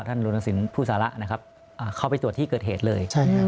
ท่านโรนัสินภูสาระเข้าไปตรวจที่เกิดเหตุเลย